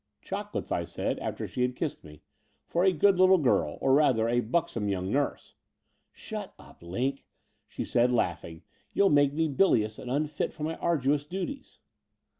''Chocolates," I said, after she had kissed me, *'for a good little girl, or, rather, a buxom young nurse/' "Shut up. Line,*' she said, laughing. "You'll make me bilious and tmfit me for my arduous duties."